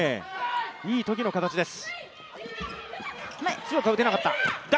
いいときの形です。